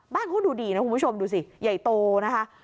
บ้านเขาดูดีนะคุณผู้ชมดูสิใหญ่โตนะคะ